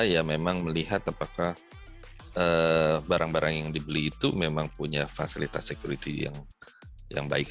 ya memang melihat apakah barang barang yang dibeli itu memang punya fasilitas security yang baik